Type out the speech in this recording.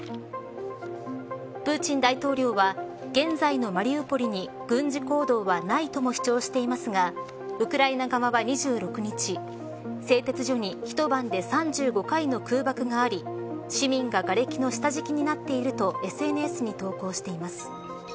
プーチン大統領は現在のマリウポリに軍事行動はないとも主張していますがウクライナ側は２６日製鉄所に一晩で３５回の空爆があり市民ががれきの下敷きになっているとＳＮＳに投稿しています。